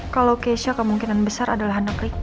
kalau kesha kemungkinan besar adalah anak ricky